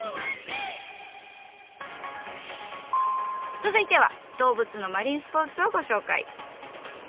続いては動物のマリンスポーツをご紹介。